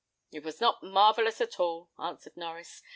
"It was not marvellous at all," answered Norries.